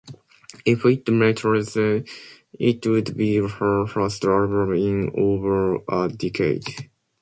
If it materialized, it would be her first album in over a decade.